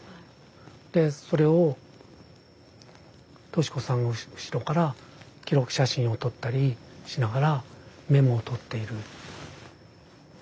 でそれを敏子さんが後ろから記録写真を撮ったりしながらメモを取っている。